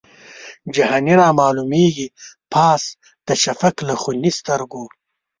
جهاني رامعلومیږي پاس د شفق له خوني سترګو